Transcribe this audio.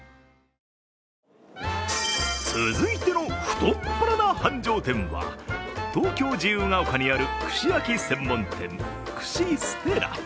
続いての太っ腹な繁盛店は東京・自由が丘にある串焼き専門店、串・ステラ。